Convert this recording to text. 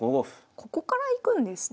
ここからいくんですね。